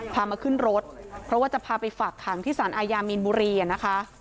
พามาขึ้นรถเพราะว่าจะพาไปฝากขังที่สารอาญามีนบุรีนะคะ